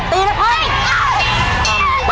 ตีนะครับ